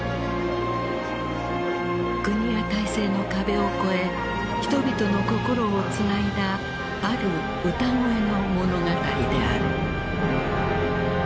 国や体制の壁をこえ人々の心をつないだある歌声の物語である。